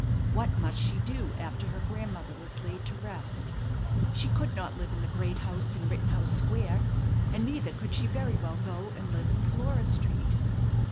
What must she do after her grandmother was laid to rest? She could not live in the great house in Rittenhouse Square, and neither could she very well go and live in Flora Street.